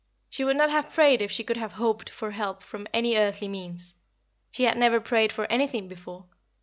She would not have prayed if she could have hoped for help from any earthly means. She had never prayed for anything before.